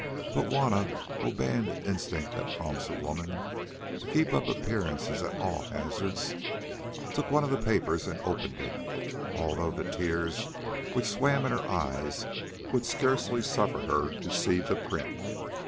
But Juanna, obeying the instinct that prompts a woman to keep up appearances at all hazards, took one of the papers and opened it, although the tears which swam in her eyes would scarcely suffer her to see the print.